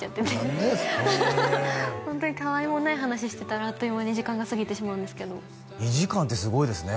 へえホントにたわいもない話してたらあっという間に時間が過ぎてしまうんですけど２時間ってすごいですね